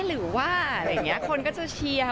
หรือว่าคนก็จะเชียว